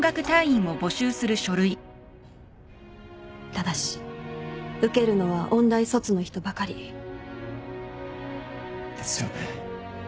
えっ？ただし受けるのは音大卒の人ばかり。ですよね。